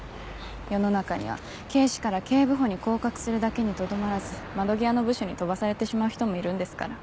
世の中には警視から警部補に降格するだけにとどまらず窓際の部署に飛ばされてしまう人もいるんですから。